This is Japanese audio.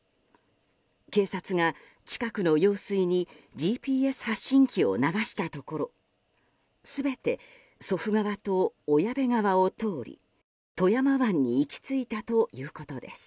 警察が近くの用水にＧＰＳ発信機を流したところ全て祖父川と小矢部川を通り富山湾に行き着いたということです。